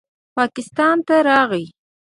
پاکستان ته راغے